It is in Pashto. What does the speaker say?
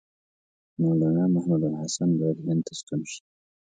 مولنا محمودالحسن باید هند ته ستون شي.